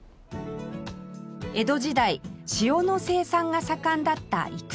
江戸時代塩の生産が盛んだった生口島